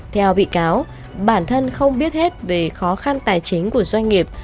theo bị cáo bản thân không biết hết về khó khăn tài chính của doanh nghiệp